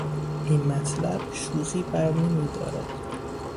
این مطلب شوخی برنمیدارد!